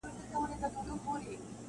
مقرر سوه دواړه سم یوه شعبه کي,